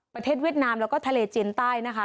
ประเทศเวียดนามแล้วก็ทะเลเจียนใต้นะคะ